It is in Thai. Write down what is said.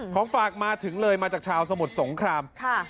ของฝากมาถึงเลยมาจากชาวสมุทรสงคราม